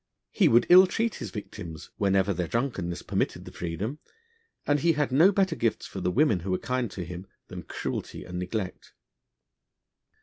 He would ill treat his victims, whenever their drunkenness permitted the freedom, and he had no better gifts for the women who were kind to him than cruelty and neglect.